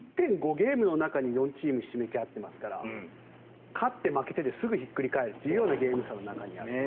ゲームの中に４チームひしめき合ってますから勝って負けてですぐひっくり返るというゲーム差の中にあると。